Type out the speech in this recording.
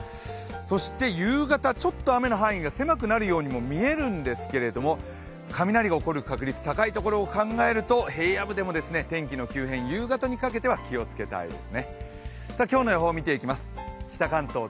そして夕方、ちょっと雨の範囲が狭くなるようにも見えるんですけれども雷が起こる確率、高いところを考えると平野部でも天気の急変、夕方にかけては気をつけたいです。